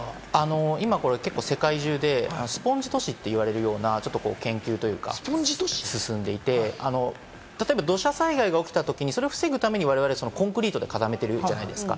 今、世界中でスポンジ都市と言われるような研究というか、進んでいて、例えば、土砂災害が起きたときに、それを防ぐために我々コンクリートで固めてるじゃないですか。